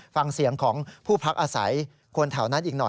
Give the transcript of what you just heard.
ฟังเสียงของผู้พักอาศัยคนแถวนั้นอีกหน่อย